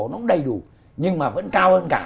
nó cũng đầy đủ nhưng mà vẫn cao hơn cả